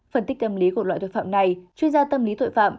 phân tích tâm lý của loại tội phạm này chuyên gia tâm lý tội phạm